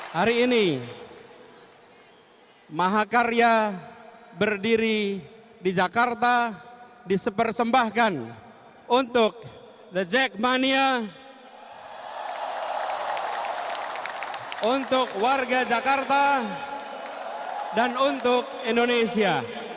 hari ini mahakarya berdiri di jakarta disepersembahkan untuk the jackmania untuk warga jakarta dan untuk indonesia